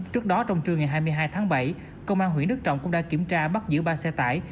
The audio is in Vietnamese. trước đó trong trưa ngày hai mươi hai tháng bảy công an huyện đức trọng cũng đã kiểm tra bắt giữ ba xe tải